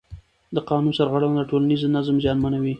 د قانون سرغړونه د ټولنیز نظم زیانمنوي